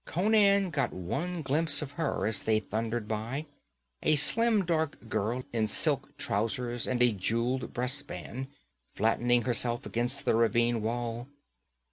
Conan got one glimpse of her as they thundered by a slim, dark girl in silk trousers and a jeweled breast band, flattening herself against the ravine wall.